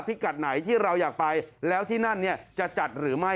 กัดไหนที่เราอยากไปแล้วที่นั่นเนี่ยจะจัดหรือไม่